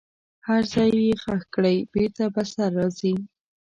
هر ځای یې ښخ کړئ بیرته به سره راځي.